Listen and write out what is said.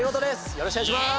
よろしくお願いします！